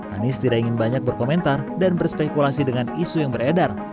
anies tidak ingin banyak berkomentar dan berspekulasi dengan isu yang beredar